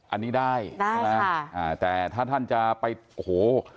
อันนี้ได้ใช่ไหมอ่าแต่ถ้าท่านจะไปโอ้โห